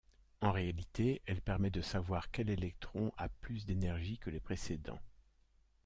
En réalité, elle permet de savoir quel électron a plus d'énergie que les précédents.